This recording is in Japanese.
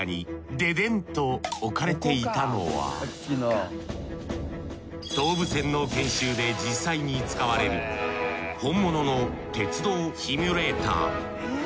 デデンと置かれていたのは東武線の研修で実際に使われる本物の鉄道シミュレーター。